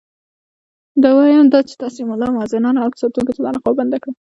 دویم دا چې تاسي ملا، مؤذنانو او ساتونکو ته تنخوا بنده کړه.